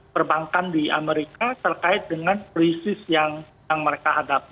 perbankan di amerika terkait dengan krisis yang mereka hadapi